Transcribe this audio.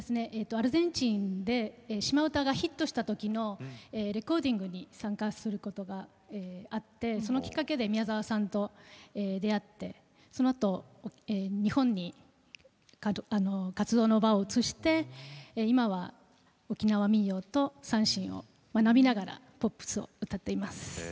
アルゼンチンで「島唄」がヒットしたときのレコーディングに参加することがありましてそのきっかけで宮沢さんと出会ってそのあと日本に活動の場を移して今は沖縄民謡と三線を学びながらポップスを歌っています。